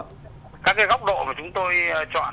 các cái góc độ mà chúng tôi chọn